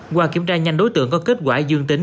qua kiểm tra nhanh đối tượng có kết quả dương tính